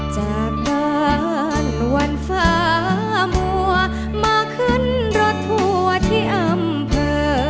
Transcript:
จากบ้านวันฟ้ามัวมาขึ้นรถทัวร์ที่อำเภอ